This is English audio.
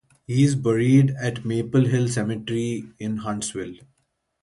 He is buried at Maple Hill Cemetery in Huntsville.